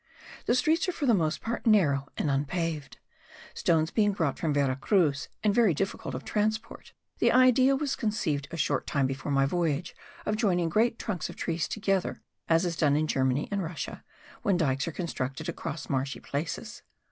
The streets are for the most part narrow and unpaved. Stones being brought from Vera Cruz, and very difficult of transport, the idea was conceived a short time before my voyage of joining great trunks of trees together, as is done in Germany and Russia, when dykes are constructed across marshy places.